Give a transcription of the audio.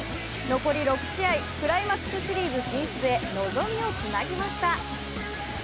残り６試合、クライマックスシリーズ進出へ望みをつなぎました。